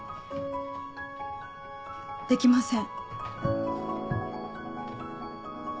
できません。